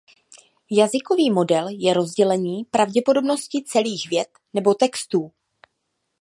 Jazykový model je rozdělení pravděpodobnosti celých vět nebo textů.